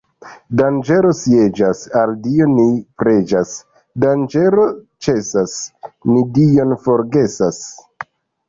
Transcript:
Danĝero sieĝas, al Dio ni preĝas; danĝero ĉesas, ni Dion forgesas.